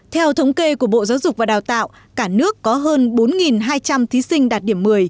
theo thống kê của bộ giáo dục và đào tạo cả nước có hơn bốn hai trăm linh thí sinh đạt điểm một mươi